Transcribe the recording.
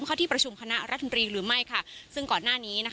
เข้าที่ประชุมคณะรัฐมนตรีหรือไม่ค่ะซึ่งก่อนหน้านี้นะคะ